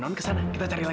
mau banget man